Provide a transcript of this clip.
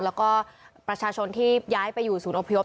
แล้วก็ประชาชนที่ย้ายไปอยู่ศูนย์อพยพ